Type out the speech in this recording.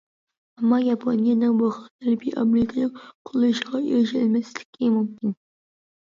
ئەمما ياپونىيەنىڭ بۇ خىل تەلىپى ئامېرىكىنىڭ قوللىشىغا ئېرىشەلمەسلىكى مۇمكىن.